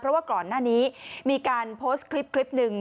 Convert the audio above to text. เพราะว่าก่อนหน้านี้มีการโพสต์คลิปหนึ่ง